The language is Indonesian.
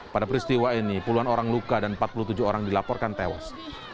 pada peristiwa ini puluhan orang luka dan empat puluh tujuh orang dilaporkan tewas